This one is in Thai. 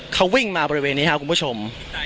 เขาวิ่งมาบริเวณนี้ครับคุณผู้ชม